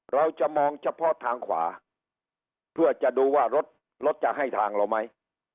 เราจะมองเฉพาะทางขวาเพื่อจะดูว่ารถรถจะให้ทางเราไหม